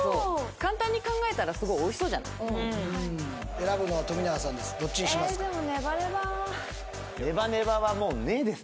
簡単に考えたらすごいおいしそうじゃない選ぶのは冨永さんです